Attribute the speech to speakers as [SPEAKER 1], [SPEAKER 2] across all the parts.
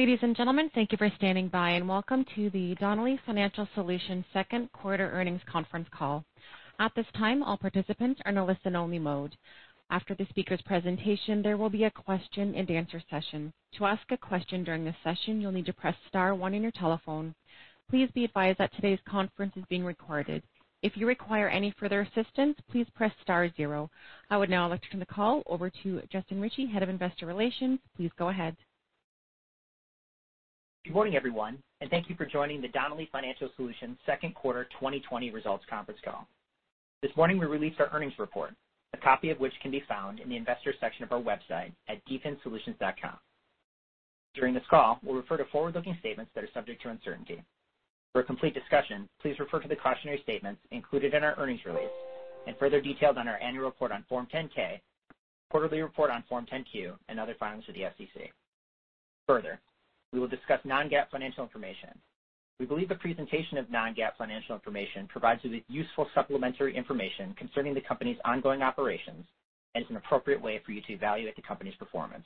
[SPEAKER 1] Ladies and gentlemen, thank you for standing by, and welcome to the Donnelley Financial Solutions Second Quarter Earnings Conference Call. At this time, all participants are in listen only mode. After the speaker's presentation, there will be a question and answer session. To ask a question during this session, you will need to press star one on your telephone. Please be advised that today's conference is being recorded. If you require any further assistance, please press star zero. I would now like to turn the call over to Justin Ritchie, Head of Investor Relations. Please go ahead.
[SPEAKER 2] Good morning, everyone, and thank you for joining the Donnelley Financial Solutions Second Quarter 2020 Results Conference Call. This morning we released our earnings report, a copy of which can be found in the Investors section of our website at dfinsolutions.com. During this call, we'll refer to forward-looking statements that are subject to uncertainty. For a complete discussion, please refer to the cautionary statements included in our earnings release and further detailed on our annual report on Form 10-K, quarterly report on Form 10-Q, and other filings with the SEC. Further, we will discuss non-GAAP financial information. We believe the presentation of non-GAAP financial information provides you with useful supplementary information concerning the company's ongoing operations and is an appropriate way for you to evaluate the company's performance.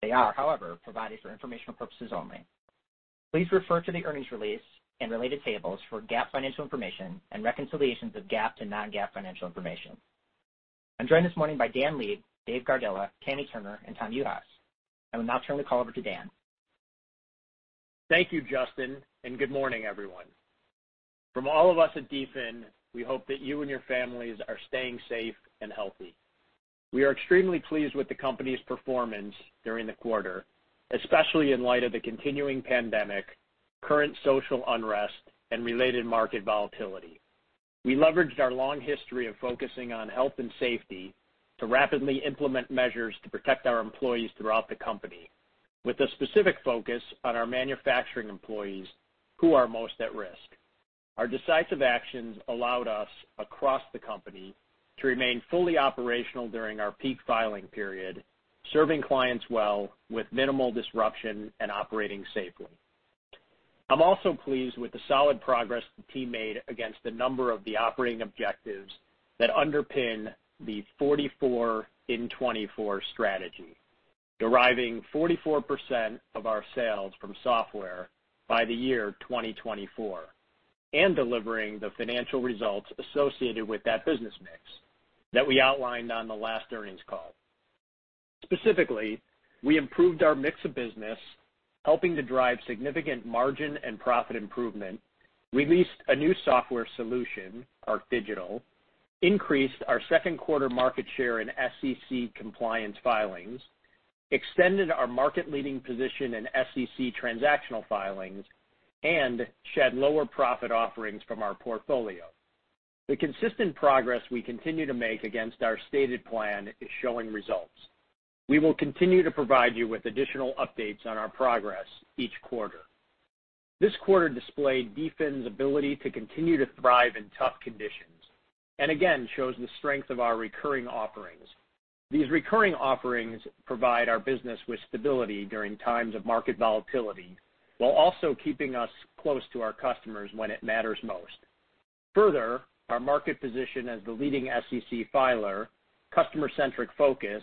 [SPEAKER 2] They are, however, provided for informational purposes only. Please refer to the earnings release and related tables for GAAP financial information and reconciliations of non-GAAP financial information. I'm joined this morning by Dan Leib, Dave Gardella, Kami Turner, and Tom Juhase. I will now turn the call over to Dan.
[SPEAKER 3] Thank you, Justin. Good morning, everyone. From all of us at DFIN, we hope that you and your families are staying safe and healthy. We are extremely pleased with the company's performance during the quarter, especially in light of the continuing pandemic, current social unrest, and related market volatility. We leveraged our long history of focusing on health and safety to rapidly implement measures to protect our employees throughout the company, with a specific focus on our manufacturing employees who are most at risk. Our decisive actions allowed us, across the company, to remain fully operational during our peak filing period, serving clients well with minimal disruption and operating safely. I'm also pleased with the solid progress the team made against a number of the operating objectives that underpin the 44 in 2024 strategy, deriving 44% of our sales from software by the year 2024 and delivering the financial results associated with that business mix that we outlined on the last earnings call. Specifically, we improved our mix of business, helping to drive significant margin and profit improvement, released a new software solution, ArcDigital, increased our second quarter market share in SEC compliance filings, extended our market-leading position in SEC transactional filings, and shed lower profit offerings from our portfolio. The consistent progress we continue to make against our stated plan is showing results. We will continue to provide you with additional updates on our progress each quarter. This quarter displayed DFIN's ability to continue to thrive in tough conditions and again shows the strength of our recurring offerings. These recurring offerings provide our business with stability during times of market volatility while also keeping us close to our customers when it matters most. Further, our market position as the leading SEC filer, customer-centric focus,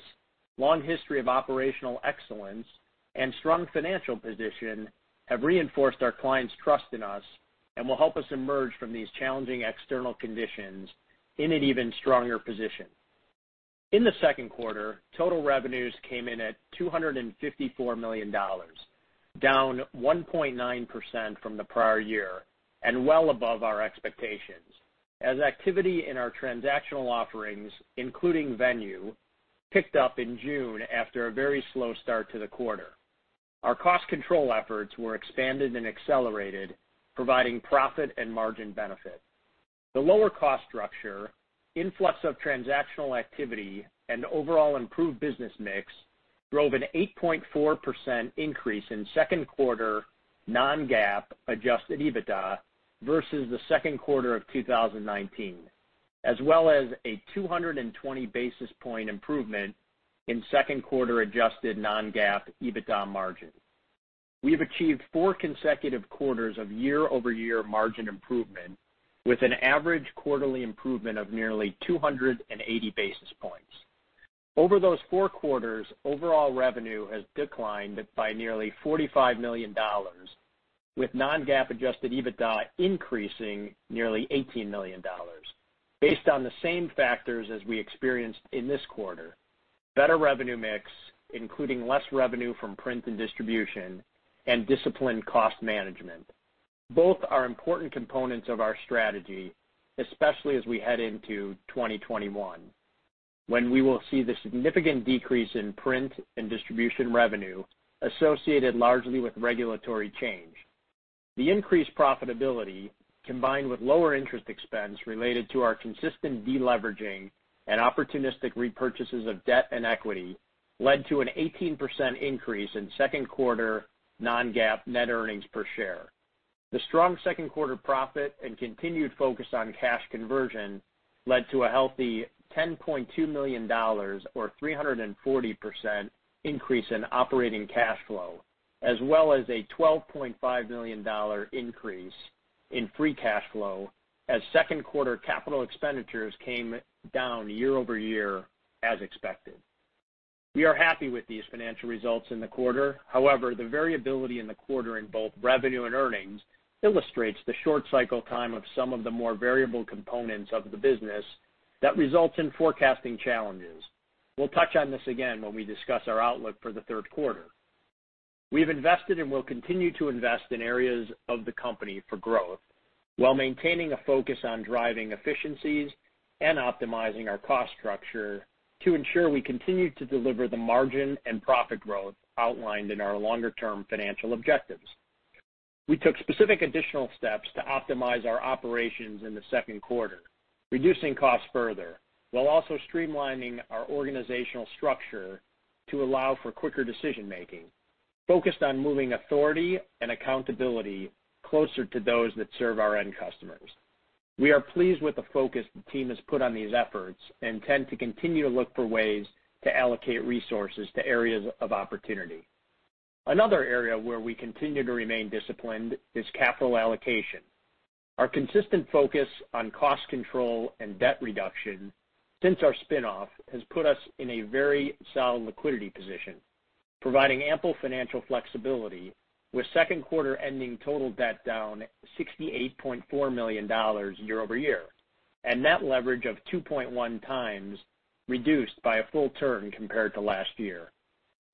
[SPEAKER 3] long history of operational excellence, and strong financial position have reinforced our clients' trust in us and will help us emerge from these challenging external conditions in an even stronger position. In the second quarter, total revenues came in at $254 million, down 1.9% from the prior year and well above our expectations as activity in our transactional offerings, including Venue, picked up in June after a very slow start to the quarter. Our cost control efforts were expanded and accelerated, providing profit and margin benefit. The lower cost structure, influx of transactional activity, and overall improved business mix drove an 8.4% increase in second quarter non-GAAP adjusted EBITDA versus the second quarter of 2019, as well as a 220 basis point improvement in second quarter adjusted non-GAAP EBITDA margin. We've achieved four consecutive quarters of year-over-year margin improvement with an average quarterly improvement of nearly 280 basis points. Over those four quarters, overall revenue has declined by nearly $45 million with non-GAAP adjusted EBITDA increasing nearly $18 million based on the same factors as we experienced in this quarter: better revenue mix, including less revenue from print and distribution, and disciplined cost management. Both are important components of our strategy, especially as we head into 2021, when we will see the significant decrease in print and distribution revenue associated largely with regulatory change. The increased profitability, combined with lower interest expense related to our consistent deleveraging and opportunistic repurchases of debt and equity, led to an 18% increase in second quarter non-GAAP net earnings per share. The strong second quarter profit and continued focus on cash conversion led to a healthy $10.2 million or 340% increase in operating cash flow as well as a $12.5 million increase in free cash flow as second quarter capital expenditures came down year-over-year as expected. We are happy with these financial results in the quarter. However, the variability in the quarter in both revenue and earnings illustrates the short cycle time of some of the more variable components of the business that results in forecasting challenges. We'll touch on this again when we discuss our outlook for the third quarter. We've invested and will continue to invest in areas of the company for growth while maintaining a focus on driving efficiencies and optimizing our cost structure to ensure we continue to deliver the margin and profit growth outlined in our longer-term financial objectives. We took specific additional steps to optimize our operations in the second quarter, reducing costs further while also streamlining our organizational structure to allow for quicker decision-making, focused on moving authority and accountability closer to those that serve our end customers. We are pleased with the focus the team has put on these efforts and intend to continue to look for ways to allocate resources to areas of opportunity. Another area where we continue to remain disciplined is capital allocation. Our consistent focus on cost control and debt reduction since our spinoff has put us in a very solid liquidity position, providing ample financial flexibility with second quarter-ending total debt down $68.4 million year-over-year, and net leverage of 2.1x reduced by a full turn compared to last year.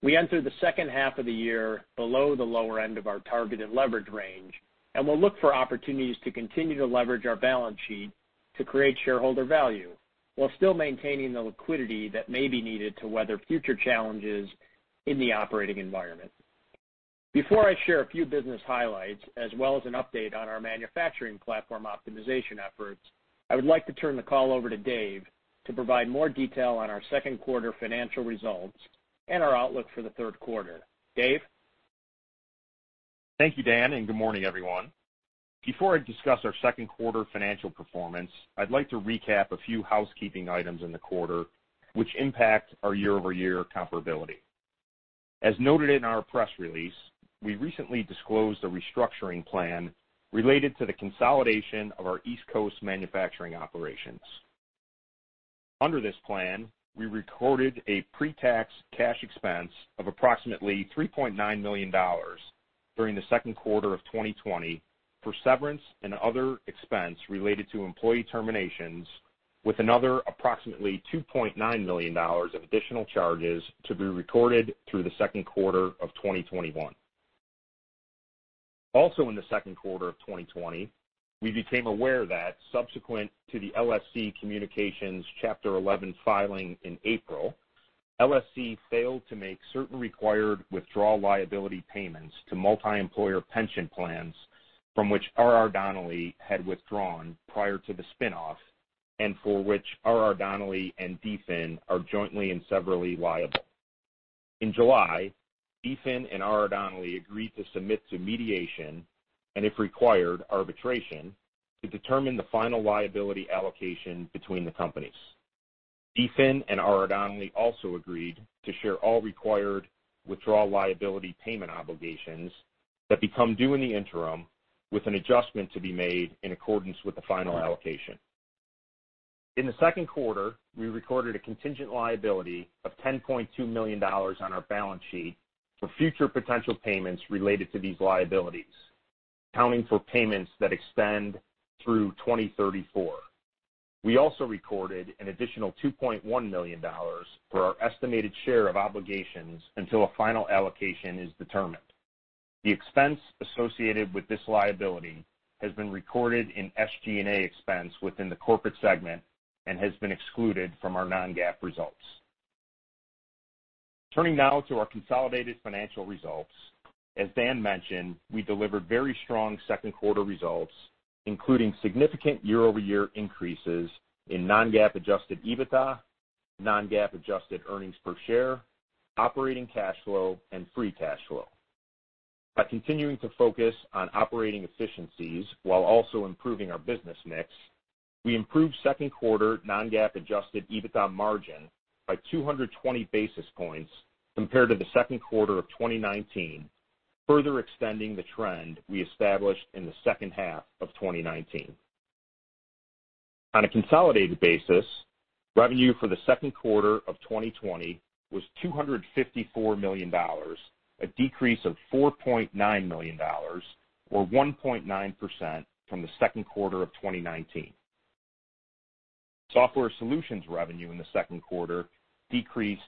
[SPEAKER 3] We enter the second half of the year below the lower end of our targeted leverage range, and will look for opportunities to continue to leverage our balance sheet to create shareholder value while still maintaining the liquidity that may be needed to weather future challenges in the operating environment. Before I share a few business highlights as well as an update on our manufacturing platform optimization efforts, I would like to turn the call over to Dave to provide more detail on our second quarter financial results and our outlook for the third quarter. Dave?
[SPEAKER 4] Thank you, Dan, and good morning, everyone. Before I discuss our second quarter financial performance, I'd like to recap a few housekeeping items in the quarter which impact our year-over-year comparability. As noted in our press release, we recently disclosed a restructuring plan related to the consolidation of our East Coast manufacturing operations. Under this plan, we recorded a pre-tax cash expense of approximately $3.9 million during the second quarter of 2020 for severance and other expense related to employee terminations, with another approximately $2.9 million of additional charges to be recorded through the second quarter of 2021. Also in the second quarter of 2020, we became aware that subsequent to the LSC Communications Chapter 11 filing in April, LSC failed to make certain required withdrawal liability payments to multi-employer pension plans from which R.R. Donnelley had withdrawn prior to the spinoff and for which R.R. Donnelley and DFIN are jointly and severally liable. In July, DFIN and R.R. Donnelley agreed to submit to mediation, and if required, arbitration to determine the final liability allocation between the companies. DFIN and R.R. Donnelley also agreed to share all required withdrawal liability payment obligations that become due in the interim with an adjustment to be made in accordance with the final allocation. In the second quarter, we recorded a contingent liability of $10.2 million on our balance sheet for future potential payments related to these liabilities, accounting for payments that extend through 2034. We also recorded an additional $2.1 million for our estimated share of obligations until a final allocation is determined. The expense associated with this liability has been recorded in SG&A expense within the corporate segment and has been excluded from our non-GAAP results. Turning now to our consolidated financial results. As Dan mentioned, we delivered very strong second quarter results, including significant year-over-year increases in non-GAAP adjusted EBITDA, non-GAAP adjusted earnings per share, operating cash flow, and free cash flow. By continuing to focus on operating efficiencies while also improving our business mix, we improved second quarter non-GAAP adjusted EBITDA margin by 220 basis points compared to the second quarter of 2019, further extending the trend we established in the second half of 2019. On a consolidated basis, revenue for the second quarter of 2020 was $254 million, a decrease of $4.9 million, or 1.9% from the second quarter of 2019. Software solutions revenue in the second quarter decreased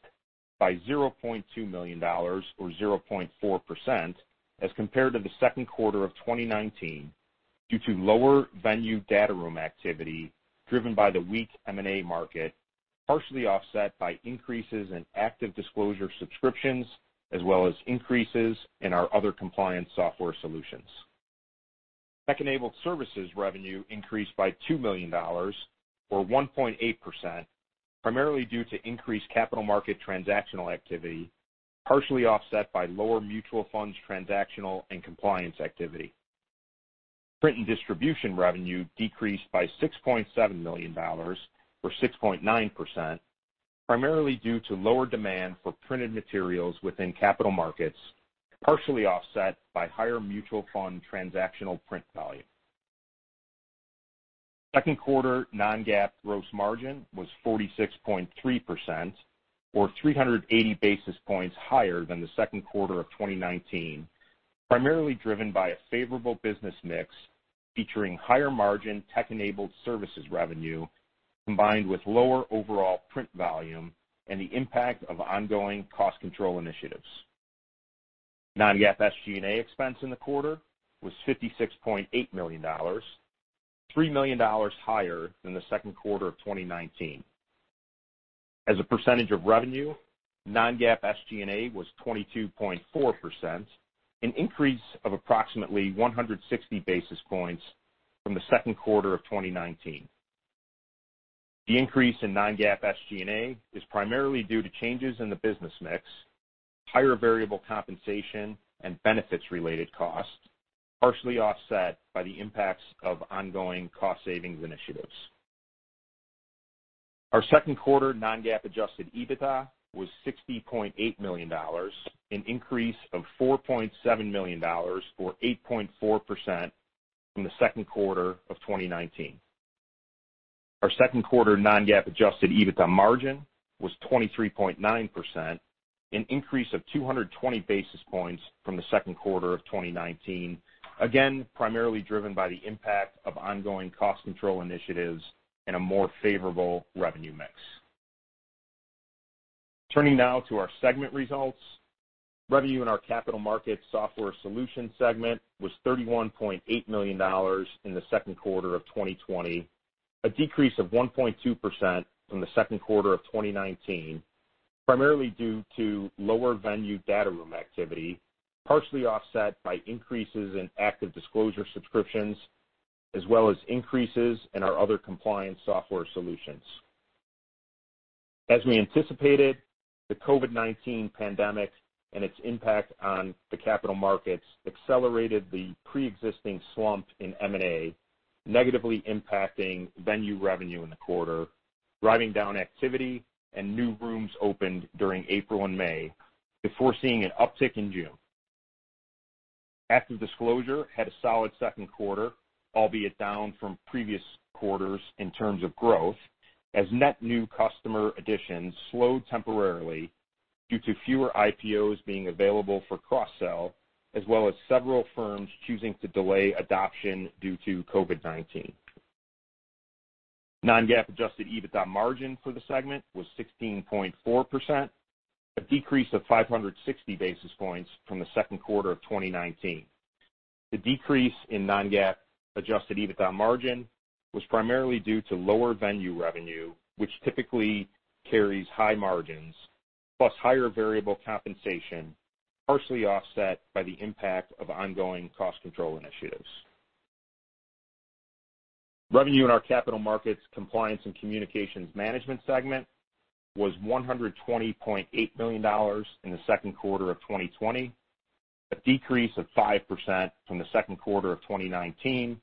[SPEAKER 4] by $0.2 million or 0.4% as compared to the second quarter of 2019 due to lower Venue data room activity driven by the weak M&A market, partially offset by increases in ActiveDisclosure subscriptions, as well as increases in our other compliance software solutions. Tech-enabled services revenue increased by $2 million, or 1.8%, primarily due to increased capital market transactional activity, partially offset by lower mutual funds transactional and compliance activity. Print and distribution revenue decreased by $6.7 million, or 6.9%. Primarily due to lower demand for printed materials within Capital Markets, partially offset by higher mutual fund transactional print volume. Second quarter non-GAAP gross margin was 46.3%, or 380 basis points higher than the second quarter of 2019, primarily driven by a favorable business mix featuring higher margin tech-enabled services revenue, combined with lower overall print volume and the impact of ongoing cost control initiatives. Non-GAAP SG&A expense in the quarter was $56.8 million, $3 million higher than the second quarter of 2019. As a percentage of revenue, non-GAAP SG&A was 22.4%, an increase of approximately 160 basis points from the second quarter of 2019. The increase in non-GAAP SG&A is primarily due to changes in the business mix, higher variable compensation and benefits-related costs, partially offset by the impacts of ongoing cost savings initiatives. Our second quarter non-GAAP adjusted EBITDA was $60.8 million, an increase of $4.7 million, or 8.4% from the second quarter of 2019. Our second quarter non-GAAP adjusted EBITDA margin was 23.9%, an increase of 220 basis points from the second quarter of 2019, again, primarily driven by the impact of ongoing cost control initiatives and a more favorable revenue mix. Turning now to our segment results. Revenue in our Capital Markets Software Solutions segment was $31.8 million in the second quarter of 2020, a decrease of 1.2% from the second quarter of 2019, primarily due to lower Venue data room activity, partially offset by increases in ActiveDisclosure subscriptions, as well as increases in our other compliance software solutions. As we anticipated, the COVID-19 pandemic and its impact on the Capital Markets accelerated the preexisting slump in M&A, negatively impacting Venue revenue in the quarter, driving down activity and new rooms opened during April and May, before seeing an uptick in June. ActiveDisclosure had a solid second quarter, albeit down from previous quarters in terms of growth, as net new customer additions slowed temporarily due to fewer IPOs being available for cross-sell, as well as several firms choosing to delay adoption due to COVID-19. non-GAAP adjusted EBITDA margin for the segment was 16.4%, a decrease of 560 basis points from the second quarter of 2019. The decrease in non-GAAP adjusted EBITDA margin was primarily due to lower Venue revenue, which typically carries high margins, plus higher variable compensation, partially offset by the impact of ongoing cost control initiatives. Revenue in our Capital Markets – Compliance and Communications Management segment was $120.8 million in the second quarter of 2020, a decrease of 5% from the second quarter of 2019,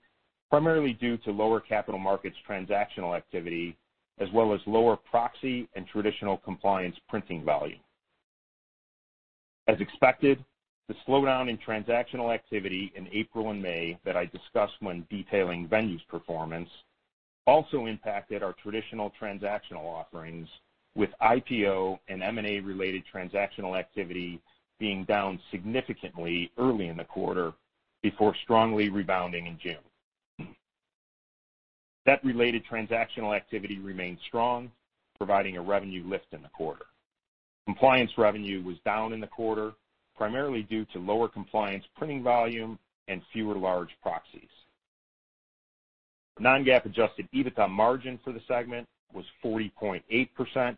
[SPEAKER 4] primarily due to lower capital markets transactional activity, as well as lower proxy and traditional compliance printing volume. As expected, the slowdown in transactional activity in April and May that I discussed when detailing Venue's performance also impacted our traditional transactional offerings, with IPO and M&A-related transactional activity being down significantly early in the quarter before strongly rebounding in June. Debt-related transactional activity remained strong, providing a revenue lift in the quarter. Compliance revenue was down in the quarter, primarily due to lower compliance printing volume and fewer large proxies. Non-GAAP adjusted EBITDA margin for the segment was 40.8%,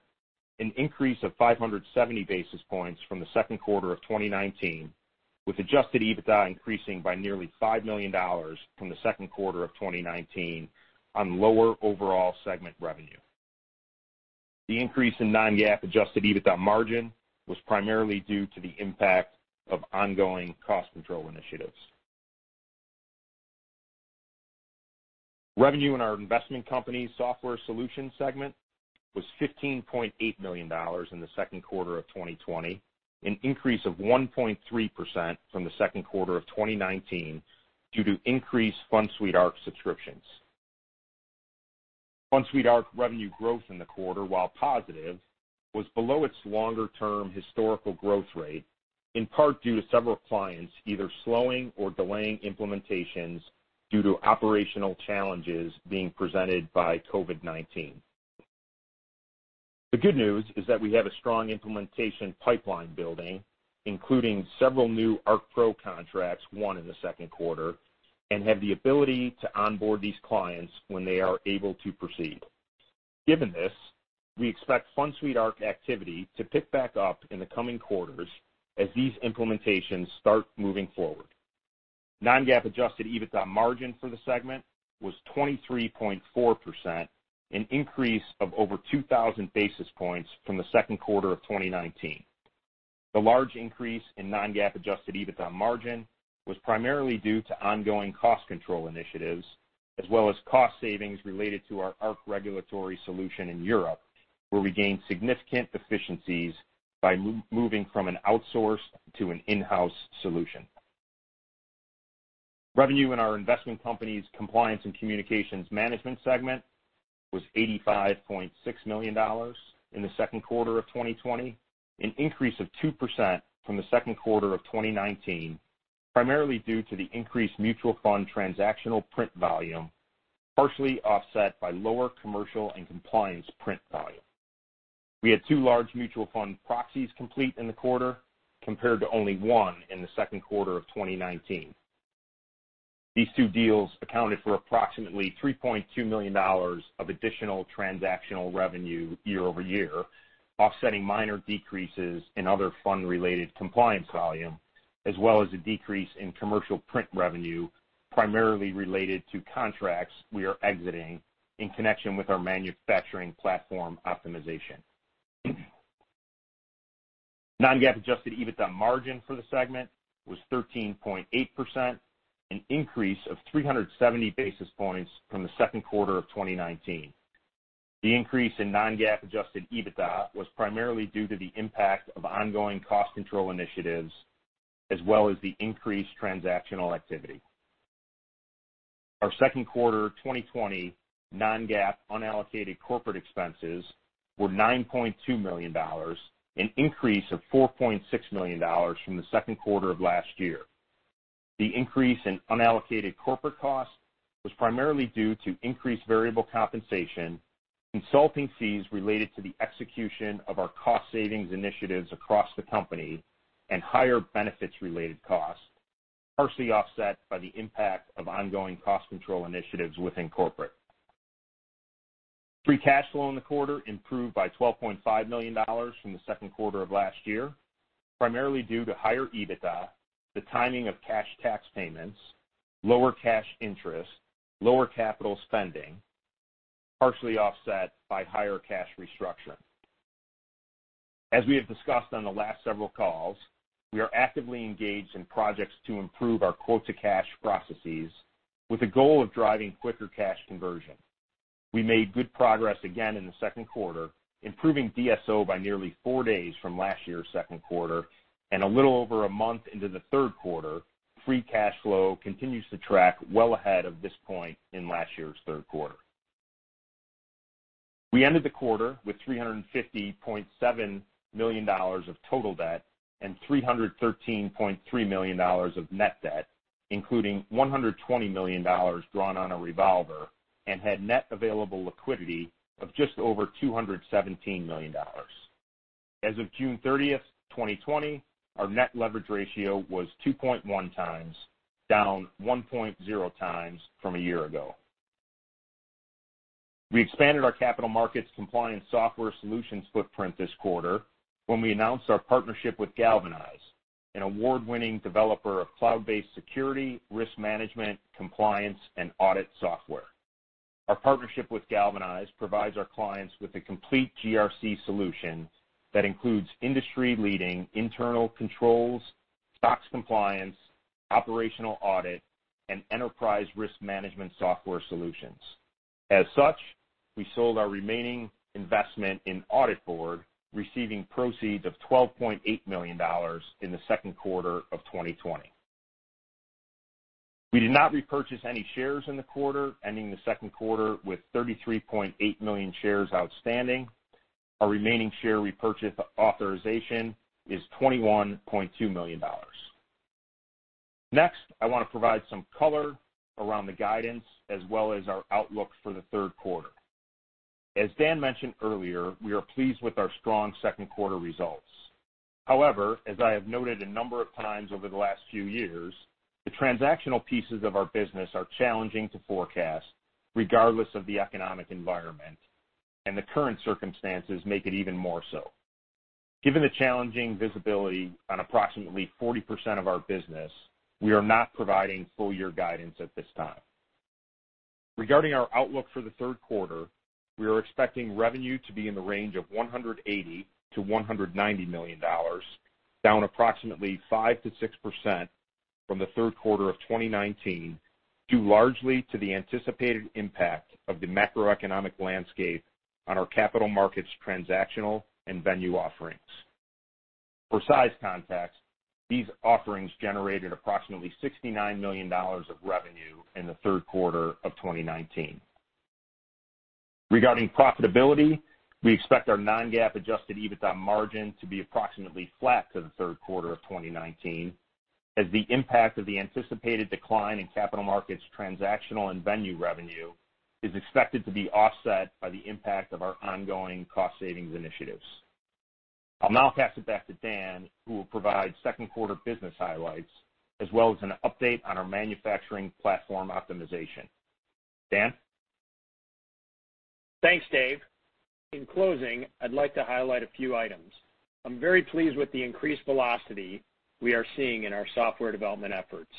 [SPEAKER 4] an increase of 570 basis points from the second quarter of 2019, with adjusted EBITDA increasing by nearly $5 million from the second quarter of 2019 on lower overall segment revenue. The increase in non-GAAP adjusted EBITDA margin was primarily due to the impact of ongoing cost control initiatives. Revenue in our Investment Companies – Software Solutions segment was $15.8 million in the second quarter of 2020, an increase of 1.3% from the second quarter of 2019 due to increased Fund Suite Arc subscriptions. Fund Suite Arc revenue growth in the quarter, while positive, was below its longer-term historical growth rate, in part due to several clients either slowing or delaying implementations due to operational challenges being presented by COVID-19. The good news is that we have a strong implementation pipeline building, including several new ArcPro contracts won in the second quarter, and have the ability to onboard these clients when they are able to proceed. Given this, we expect Fund Suite Arc activity to pick back up in the coming quarters as these implementations start moving forward. Non-GAAP adjusted EBITDA margin for the segment was 23.4%, an increase of over 2,000 basis points from the second quarter of 2019. The large increase in non-GAAP adjusted EBITDA margin was primarily due to ongoing cost control initiatives, as well as cost savings related to our Arc regulatory solution in Europe, where we gained significant efficiencies by moving from an outsourced to an in-house solution. Revenue in our Investment Companies Compliance and Communications Management segment was $85.6 million in the second quarter of 2020, an increase of 2% from the second quarter of 2019, primarily due to the increased mutual fund transactional print volume, partially offset by lower commercial and compliance print volume. We had two large mutual fund proxies complete in the quarter, compared to only one in the second quarter of 2019. These two deals accounted for approximately $3.2 million of additional transactional revenue year-over-year, offsetting minor decreases in other fund-related compliance volume, as well as a decrease in commercial print revenue, primarily related to contracts we are exiting in connection with our manufacturing platform optimization. Non-GAAP adjusted EBITDA margin for the segment was 13.8%, an increase of 370 basis points from the second quarter of 2019. The increase in non-GAAP adjusted EBITDA was primarily due to the impact of ongoing cost control initiatives, as well as the increased transactional activity. Our second quarter 2020 non-GAAP unallocated corporate expenses were $9.2 million, an increase of $4.6 million from the second quarter of last year. The increase in unallocated corporate costs was primarily due to increased variable compensation, consulting fees related to the execution of our cost savings initiatives across the company, and higher benefits-related costs, partially offset by the impact of ongoing cost control initiatives within corporate. Free cash flow in the quarter improved by $12.5 million from the second quarter of last year, primarily due to higher EBITDA, the timing of cash tax payments, lower cash interest, lower capital spending, partially offset by higher cash restructuring. As we have discussed on the last several calls, we are actively engaged in projects to improve our quote-to-cash processes with the goal of driving quicker cash conversion. We made good progress again in the second quarter, improving DSO by nearly four days from last year's second quarter, and a little over a month into the third quarter, free cash flow continues to track well ahead of this point in last year's third quarter. We ended the quarter with $350.7 million of total debt and $313.3 million of net debt, including $120 million drawn on a revolver and had net available liquidity of just over $217 million. As of June 30th, 2020, our net leverage ratio was 2.1x, down 1.0x from a year ago. We expanded our capital markets compliance software solutions footprint this quarter when we announced our partnership with Galvanize, an award-winning developer of cloud-based security, risk management, compliance, and audit software. Our partnership with Galvanize provides our clients with a complete GRC solution that includes industry-leading internal controls, SOX compliance, operational audit, and enterprise risk management software solutions. As such, we sold our remaining investment in AuditBoard, receiving proceeds of $12.8 million in the second quarter of 2020. We did not repurchase any shares in the quarter, ending the second quarter with 33.8 million shares outstanding. Our remaining share repurchase authorization is $21.2 million. I want to provide some color around the guidance as well as our outlook for the third quarter. As Dan mentioned earlier, we are pleased with our strong second quarter results. However, as I have noted a number of times over the last few years, the transactional pieces of our business are challenging to forecast regardless of the economic environment, and the current circumstances make it even more so. Given the challenging visibility on approximately 40% of our business, we are not providing full year guidance at this time. Regarding our outlook for the third quarter, we are expecting revenue to be in the range of $180 million-$190 million, down approximately 5%-6% from the third quarter of 2019, due largely to the anticipated impact of the macroeconomic landscape on our Capital Markets transactional and Venue offerings. For size context, these offerings generated approximately $69 million of revenue in the third quarter of 2019. Regarding profitability, we expect our non-GAAP adjusted EBITDA margin to be approximately flat to the third quarter of 2019, as the impact of the anticipated decline in Capital Markets transactional and Venue revenue is expected to be offset by the impact of our ongoing cost savings initiatives. I'll now pass it back to Dan, who will provide second quarter business highlights as well as an update on our manufacturing platform optimization. Dan?
[SPEAKER 3] Thanks, Dave. In closing, I'd like to highlight a few items. I'm very pleased with the increased velocity we are seeing in our software development efforts.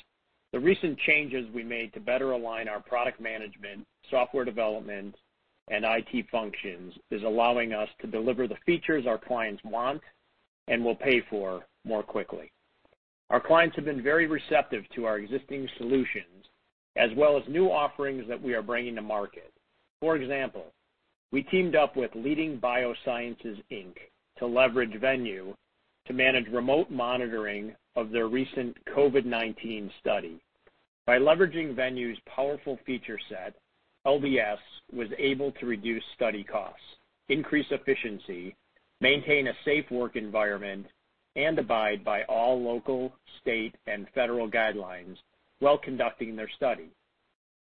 [SPEAKER 3] The recent changes we made to better align our product management, software development, and IT functions is allowing us to deliver the features our clients want and will pay for more quickly. Our clients have been very receptive to our existing solutions, as well as new offerings that we are bringing to market. For example, we teamed up with Leading BioSciences, Inc. to leverage Venue to manage remote monitoring of their recent COVID-19 study. By leveraging Venue's powerful feature set, LBS was able to reduce study costs, increase efficiency, maintain a safe work environment, and abide by all local, state, and federal guidelines while conducting their study.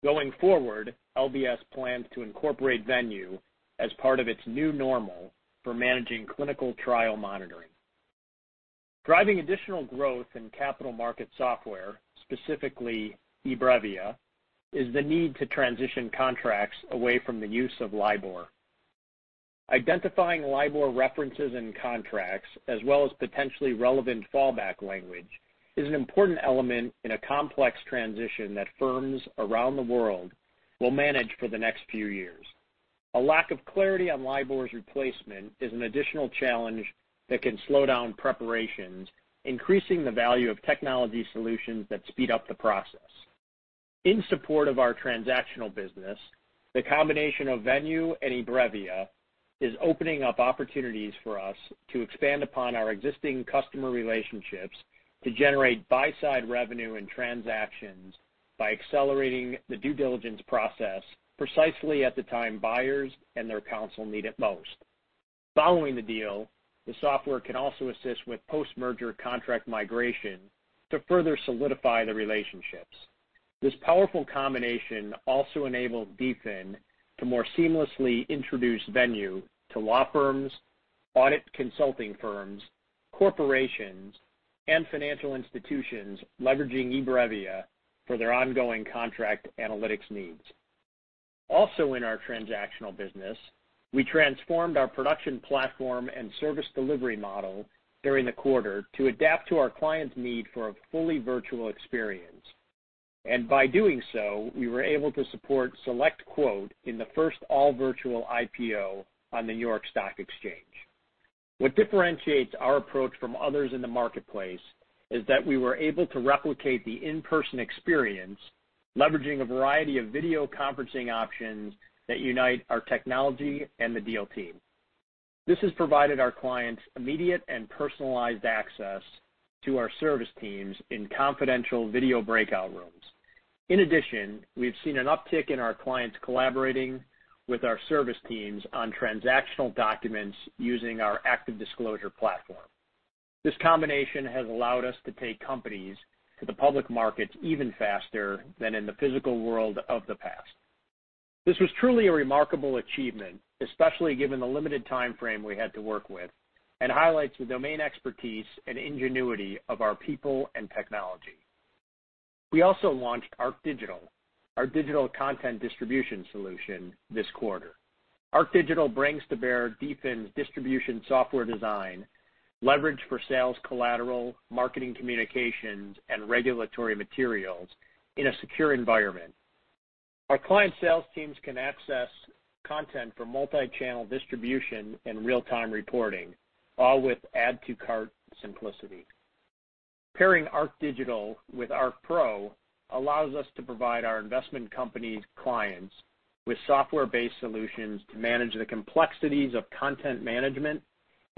[SPEAKER 3] Going forward, LBS plans to incorporate Venue as part of its new normal for managing clinical trial monitoring. Driving additional growth in capital market software, specifically eBrevia, is the need to transition contracts away from the use of LIBOR. Identifying LIBOR references in contracts, as well as potentially relevant fallback language, is an important element in a complex transition that firms around the world will manage for the next few years. A lack of clarity on LIBOR's replacement is an additional challenge that can slow down preparations, increasing the value of technology solutions that speed up the process. In support of our transactional business, the combination of Venue and eBrevia is opening up opportunities for us to expand upon our existing customer relationships to generate buy-side revenue and transactions by accelerating the due diligence process precisely at the time buyers and their counsel need it most. Following the deal, the software can also assist with post-merger contract migration to further solidify the relationships. This powerful combination also enables DFIN to more seamlessly introduce Venue to law firms, audit consulting firms, corporations, and financial institutions leveraging eBrevia for their ongoing contract analytics needs. Also in our transactional business, we transformed our production platform and service delivery model during the quarter to adapt to our clients' need for a fully virtual experience. By doing so, we were able to support SelectQuote in the first all-virtual IPO on the New York Stock Exchange. What differentiates our approach from others in the marketplace is that we were able to replicate the in-person experience, leveraging a variety of video conferencing options that unite our technology and the deal team. This has provided our clients immediate and personalized access to our service teams in confidential video breakout rooms. In addition, we have seen an uptick in our clients collaborating with our service teams on transactional documents using our ActiveDisclosure platform. This combination has allowed us to take companies to the public markets even faster than in the physical world of the past. This was truly a remarkable achievement, especially given the limited timeframe we had to work with, and highlights the domain expertise and ingenuity of our people and technology. We also launched ArcDigital, our digital content distribution solution, this quarter. ArcDigital brings to bear DFIN's distribution software design leverage for sales collateral, marketing communications, and regulatory materials in a secure environment. Our client sales teams can access content for multi-channel distribution and real-time reporting, all with add-to-cart simplicity. Pairing ArcDigital with ArcPro allows us to provide our investment company's clients with software-based solutions to manage the complexities of content management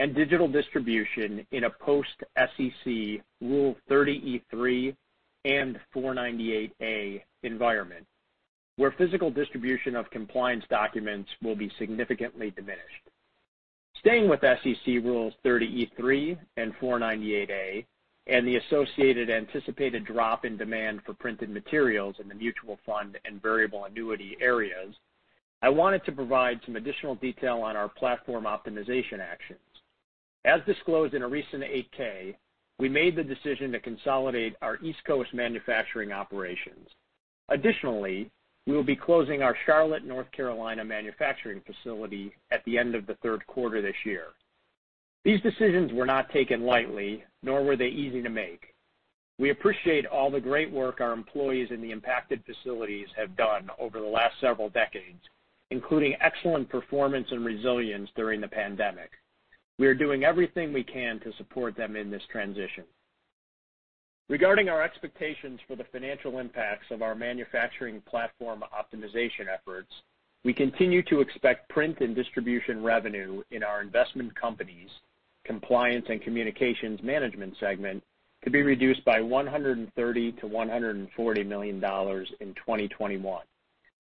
[SPEAKER 3] and digital distribution in a post-SEC Rule 30e-3 and Rule 498A environment, where physical distribution of compliance documents will be significantly diminished. Staying with SEC Rules 30e-3 and Rule 498A, and the associated anticipated drop in demand for printed materials in the mutual fund and variable annuity areas, I wanted to provide some additional detail on our platform optimization actions. As disclosed in a recent 8-K, we made the decision to consolidate our East Coast manufacturing operations. We will be closing our Charlotte, North Carolina, manufacturing facility at the end of the third quarter this year. These decisions were not taken lightly, nor were they easy to make. We appreciate all the great work our employees in the impacted facilities have done over the last several decades, including excellent performance and resilience during the pandemic. We are doing everything we can to support them in this transition. Regarding our expectations for the financial impacts of our manufacturing platform optimization efforts, we continue to expect print and distribution revenue in our Investment Companies – Compliance and Communications Management segment to be reduced by $130 million-$140 million in 2021.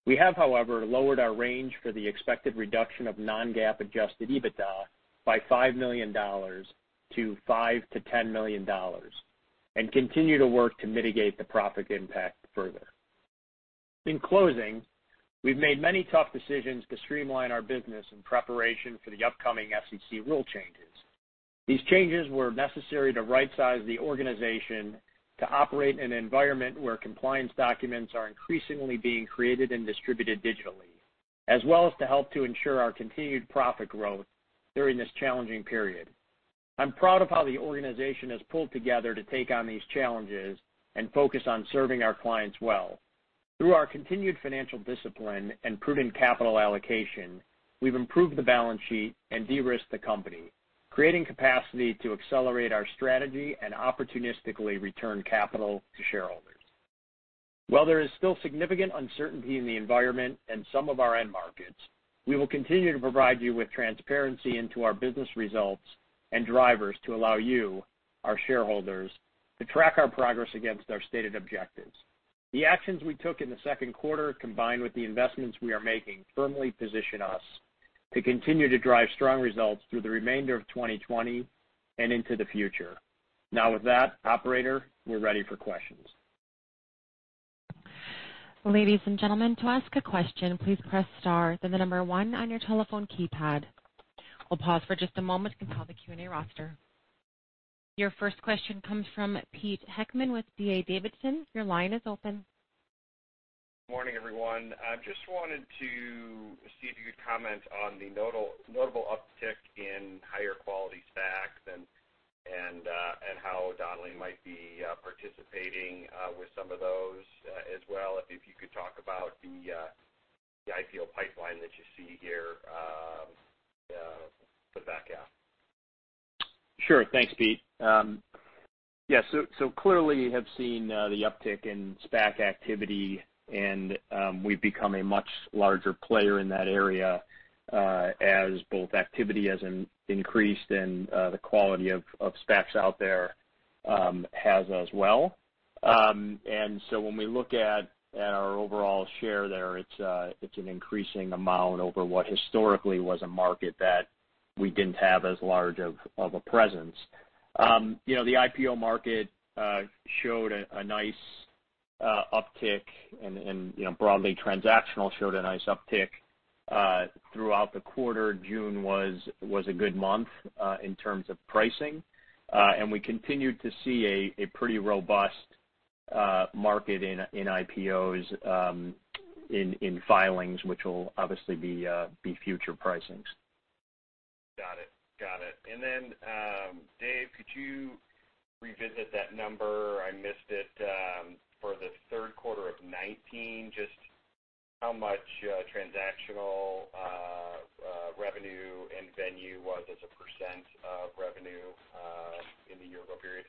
[SPEAKER 3] We have, however, lowered our range for the expected reduction of non-GAAP adjusted EBITDA by $5 million to $5 million-$10 million and continue to work to mitigate the profit impact further. In closing, we've made many tough decisions to streamline our business in preparation for the upcoming SEC rule changes. These changes were necessary to rightsize the organization to operate in an environment where compliance documents are increasingly being created and distributed digitally. As well as to help to ensure our continued profit growth during this challenging period. I'm proud of how the organization has pulled together to take on these challenges and focus on serving our clients well. Through our continued financial discipline and prudent capital allocation, we've improved the balance sheet and de-risked the company, creating capacity to accelerate our strategy and opportunistically return capital to shareholders. While there is still significant uncertainty in the environment and some of our end markets, we will continue to provide you with transparency into our business results and drivers to allow you, our shareholders, to track our progress against our stated objectives. The actions we took in the second quarter, combined with the investments we are making, firmly position us to continue to drive strong results through the remainder of 2020 and into the future. Now with that, operator, we're ready for questions.
[SPEAKER 1] Ladies and gentlemen, to ask a question, please press star then the number one on your telephone keypad. We'll pause for just a moment to compile the Q&A roster. Your first question comes from Pete Heckmann with D.A. Davidson. Your line is open.
[SPEAKER 5] Morning, everyone. Just wanted to see if you could comment on the notable uptick in higher quality SPACs and how Donnelley might be participating with some of those. If you could talk about the IPO pipeline that you see here for the back half.
[SPEAKER 3] Sure. Thanks, Pete. Clearly have seen the uptick in SPAC activity, and we've become a much larger player in that area as both activity has increased and the quality of SPACs out there has as well. The IPO market showed a nice uptick, and broadly transactional showed a nice uptick throughout the quarter. June was a good month in terms of pricing. We continued to see a pretty robust market in IPOs in filings, which will obviously be future pricings.
[SPEAKER 5] Got it. Then Dave, could you revisit that number, I missed it, for the third quarter of 2019, just how much transactional revenue and Venue was as a percent of revenue in the year-ago period?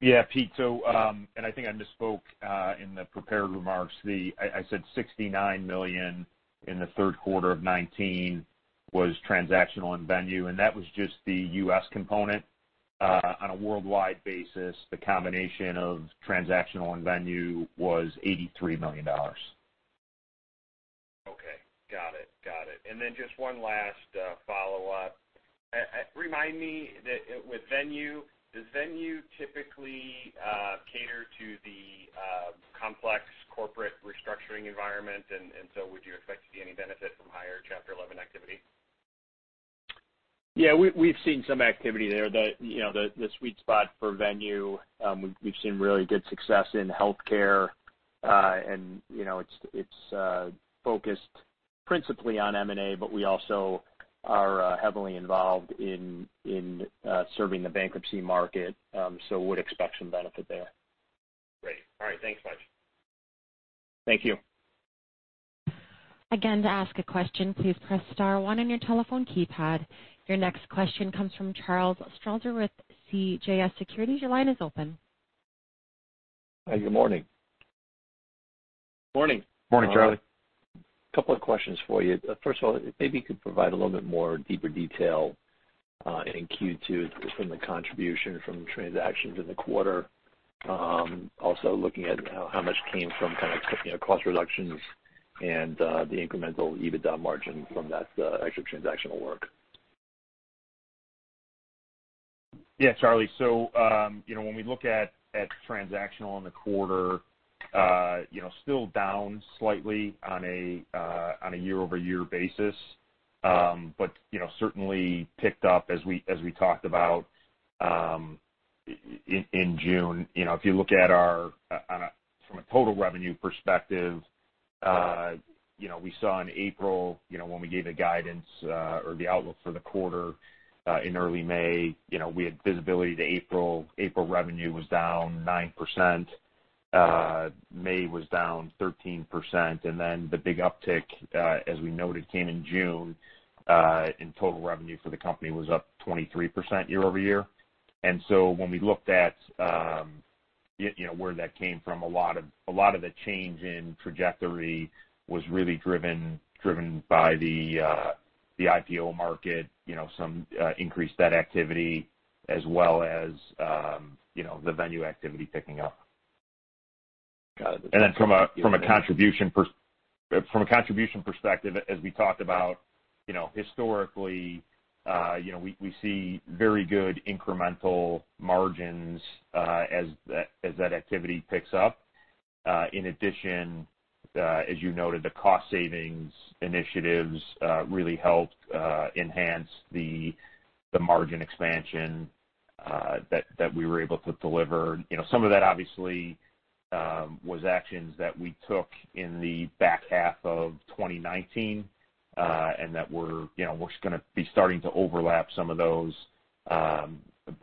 [SPEAKER 4] Yeah, Pete, I think I misspoke in the prepared remarks. I said $69 million in the third quarter of 2019 was transactional and Venue, and that was just the U.S. component. On a worldwide basis, the combination of transactional and Venue was $83 million.
[SPEAKER 5] Okay, got it. Then just one last follow-up. Remind me with Venue, does Venue typically cater to the complex corporate restructuring environment? Would you expect to see any benefit from higher Chapter 11 activity?
[SPEAKER 3] Yeah, we've seen some activity there. The sweet spot for Venue, we've seen really good success in healthcare. It's focused principally on M&A, but we also are heavily involved in serving the bankruptcy market. Would expect some benefit there.
[SPEAKER 5] Great. All right. Thanks a bunch.
[SPEAKER 3] Thank you.
[SPEAKER 1] Again, to ask a question, please press star one on your telephone keypad. Your next question comes from Charles Strauzer with CJS Securities. Your line is open.
[SPEAKER 6] Good morning.
[SPEAKER 3] Morning.
[SPEAKER 4] Morning, Charlie.
[SPEAKER 6] A couple of questions for you. First of all, maybe you could provide a little bit more deeper detail in Q2 from the contribution from transactions in the quarter. Looking at how much came from cost reductions and the incremental EBITDA margin from that extra transactional work.
[SPEAKER 4] Yeah, Charlie. When we look at transactional in the quarter, still down slightly on a year-over-year basis. Certainly picked up as we talked about in June. If you look from a total revenue perspective we saw in April when we gave the guidance or the outlook for the quarter in early May, we had visibility to April. April revenue was down 9%, May was down 13%, and then the big uptick, as we noted, came in June, and total revenue for the company was up 23% year-over-year. When we looked at where that came from, a lot of the change in trajectory was really driven by the IPO market, some increased debt activity, as well as the Venue activity picking up.
[SPEAKER 6] Got it.
[SPEAKER 4] From a contribution perspective, as we talked about historically we see very good incremental margins as that activity picks up. In addition, as you noted, the cost savings initiatives really helped enhance the margin expansion that we were able to deliver. Some of that, obviously, was actions that we took in the back half of 2019, and that we're just going to be starting to overlap some of those.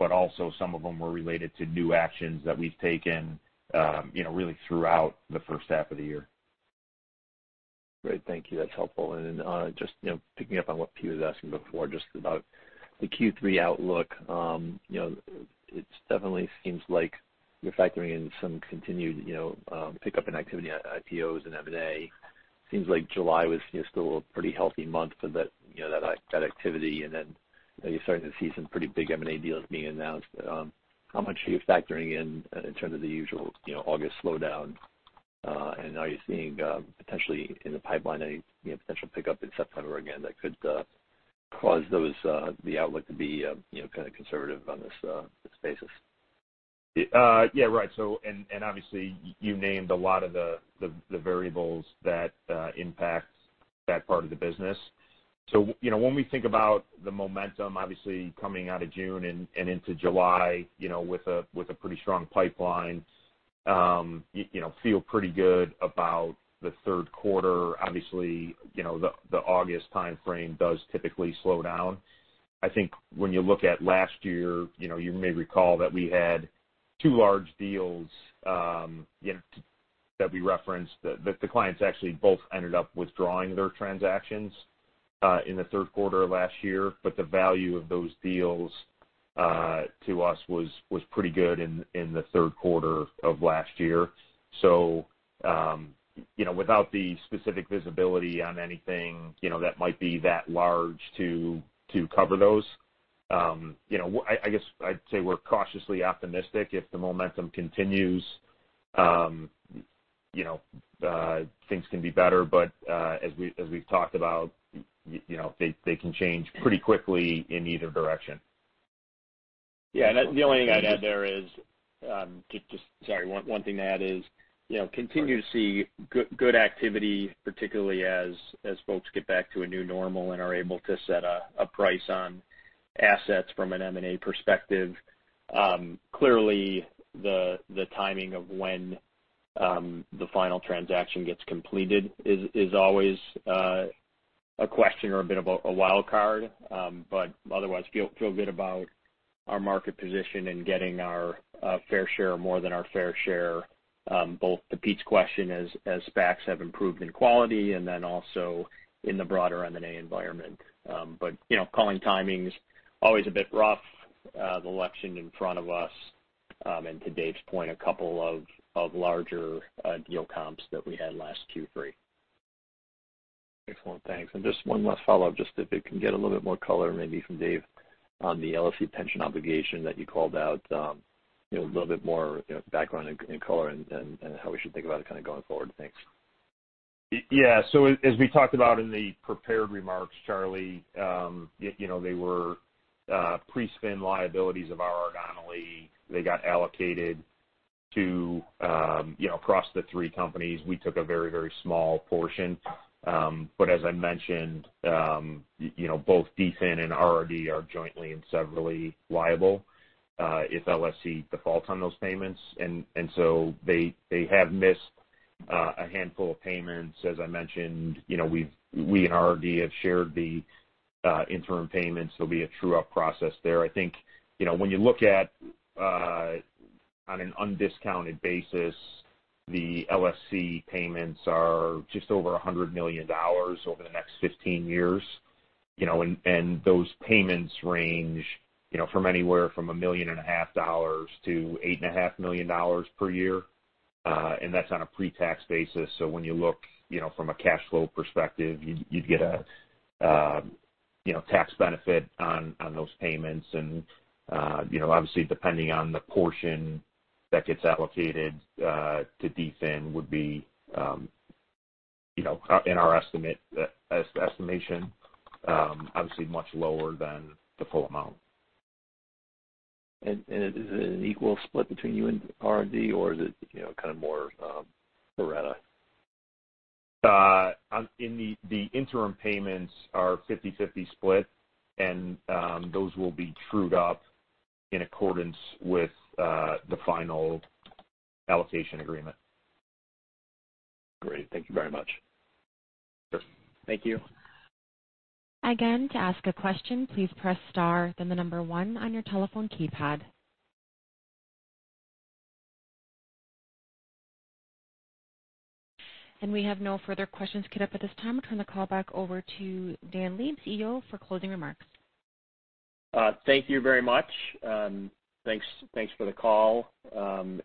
[SPEAKER 4] Also some of them were related to new actions that we've taken really throughout the first half of the year.
[SPEAKER 6] Great. Thank you. That's helpful. Just picking up on what Pete was asking before, just about the Q3 outlook. It definitely seems like you're factoring in some continued pickup in activity at IPOs and M&A. Seems like July was still a pretty healthy month for that activity, and then now you're starting to see some pretty big M&A deals being announced. How much are you factoring in in terms of the usual August slowdown? Are you seeing potentially in the pipeline any potential pickup in September, again, that could cause the outlook to be kind of conservative on this basis?
[SPEAKER 4] Yeah. Right. Obviously, you named a lot of the variables that impact that part of the business. When we think about the momentum, obviously coming out of June and into July with a pretty strong pipeline, feel pretty good about the third quarter. Obviously, the August timeframe does typically slow down. I think when you look at last year, you may recall that we had two large deals that we referenced, that the clients actually both ended up withdrawing their transactions in the third quarter of last year. The value of those deals to us was pretty good in the third quarter of last year. Without the specific visibility on anything that might be that large to cover those. I guess I'd say we're cautiously optimistic. If the momentum continues, things can be better. As we've talked about, they can change pretty quickly in either direction.
[SPEAKER 3] One thing to add is, continue to see good activity, particularly as folks get back to a new normal and are able to set a price on assets from an M&A perspective. Clearly, the timing of when the final transaction gets completed is always a question or a bit of a wild card. Otherwise, feel good about our market position and getting our fair share, more than our fair share. Both to Pete's question, as SPACs have improved in quality, and then also in the broader M&A environment. Calling timing's always a bit rough. The election in front of us. To Dave's point, a couple of larger deal comps that we had last Q3.
[SPEAKER 6] Excellent. Thanks. Just one last follow-up, just if we can get a little bit more color, maybe from Dave, on the LSC pension obligation that you called out. A little bit more background and color and how we should think about it kind of going forward. Thanks.
[SPEAKER 4] As we talked about in the prepared remarks, Charlie, they were pre-spin liabilities of R.R. Donnelley. They got allocated across the three companies. We took a very small portion. As I mentioned, both DFIN and RRD are jointly and severally liable if LSC defaults on those payments. They have missed a handful of payments. As I mentioned, we and RRD have shared the interim payments. There'll be a true-up process there. I think when you look at on an undiscounted basis, the LSC payments are just over $100 million over the next 15 years. Those payments range from anywhere from a million and a half dollars to $8.5 million per year. That's on a pre-tax basis. When you look from a cash flow perspective, you'd get a tax benefit on those payments. Obviously, depending on the portion that gets allocated to DFIN would be, in our estimation obviously much lower than the full amount.
[SPEAKER 6] Is it an equal split between you and RRD, or is it kind of more pro rata?
[SPEAKER 4] The interim payments are 50/50 split, and those will be trued up in accordance with the final allocation agreement.
[SPEAKER 6] Great. Thank you very much.
[SPEAKER 4] Sure. Thank you.
[SPEAKER 1] Again, to ask a question, please press star then the number one on your telephone keypad. We have no further questions queued up at this time. I'll turn the call back over to Dan Leib, CEO, for closing remarks.
[SPEAKER 3] Thank you very much. Thanks for the call.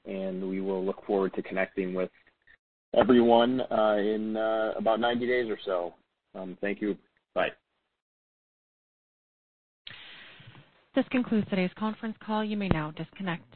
[SPEAKER 3] We will look forward to connecting with everyone in about 90 days or so. Thank you. Bye.
[SPEAKER 1] This concludes today's conference call. You may now disconnect.